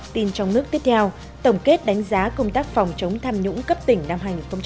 tin trong nước tiếp theo tổng kết đánh giá công tác phòng chống tham nhũng cấp tỉnh năm hai nghìn một mươi tám